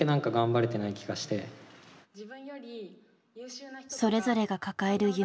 それぞれが抱える夢や悩み。